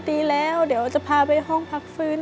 ตีแล้วเดี๋ยวจะพาไปห้องพักฟื้น